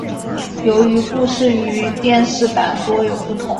由于故事与电视版多所不同。